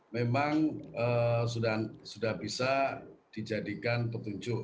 memang sudah bisa dijadikan petunjuk